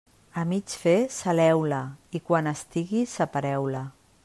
A mig fer, saleu-la, i quan estigui separeu-la.